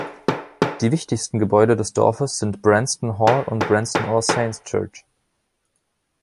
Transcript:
Die wichtigsten Gebäude des Dorfes sind Branston Hall und Branston All Saints' Church.